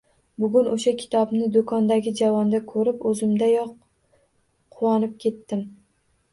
Bugun oʻsha kitobni doʻkondagi javonda koʻrib, oʻzimda yoʻq quvonib ketdim